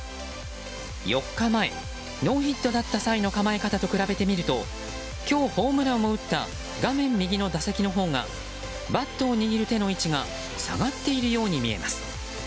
４日前、ノーヒットだった際の構え方と比べてみると今日ホームランを打った画面右の打席のほうがバットを握る手の位置が下がっているように見えます。